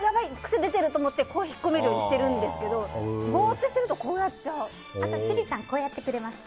癖出てる！と思って引っ込めるようにしてるんですけどボーっとしてるとあと、千里さんこうやってくれます。